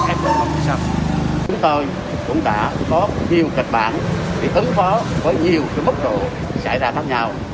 form chúng tôi cũng đã có nhiều kịch bản để ứng phó với nhiều mức độ xảy ra khác nhau